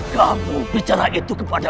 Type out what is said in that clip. kamu bicara itu kepada